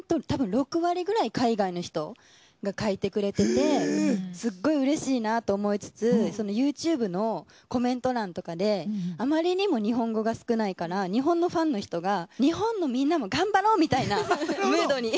６割くらい海外の人が書いてくれててすごいうれしいなと思いつつそのＹｏｕＴｕｂｅのコメント欄とかであまりにも日本語が少ないから日本のファンの人が日本のみんなも頑張ろうみたいなムードに。